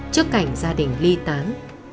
trước cảnh gia đình ly tán